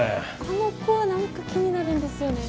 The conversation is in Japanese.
あの子は何か気になるんですよね。